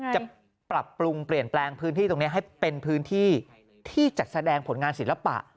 จะปรับปรุงเปลี่ยนแปลงพื้นที่ตรงนี้ให้เป็นพื้นที่ที่จัดแสดงผลงานศิลปะ